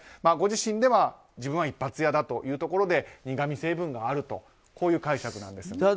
ご自身では自分は一発屋だというところで苦み成分があるとこういう解釈なんですが。